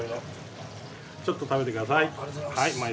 ちょっと食べてください。